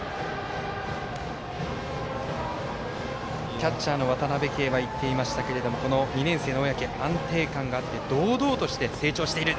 キャッチャーの渡辺憩は言っていましたがこの２年生の小宅安定感があって堂々として成長している。